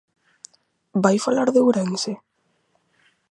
¿Vai falar de Ourense?